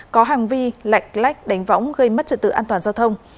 có hành vi lạch lách đánh võng gây mất trực tự an toàn giao thông